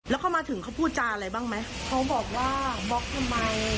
แล้วเขามาถึงเขาพูดจาอะไรบ้างไหมเขาบอกว่าบล็อกทำไม